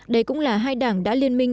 đây cũng là hai đảng đã liên minh